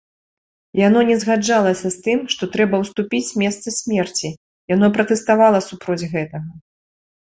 Яно не згаджалася з тым, што трэба ўступіць месца смерці, яно пратэставала супроць гэтага.